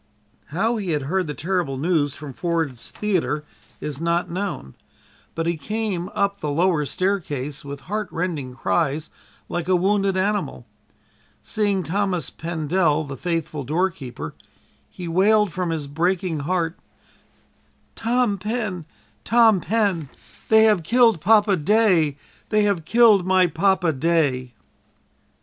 How he had heard the terrible news from Ford's Theater is not known, but he came up the lower stairway with heartrending cries like a wounded animal. Seeing Thomas Pendel, the faithful doorkeeper, he wailed from his breaking heart: "Tom Pen, Tom Pen, they have killed Papa day! They have killed my Papa day!"